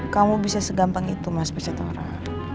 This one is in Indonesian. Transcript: kamu bisa segampang itu mas pecat orang